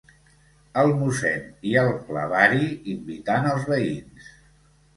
El mossèn i el clavari invitant els veïns.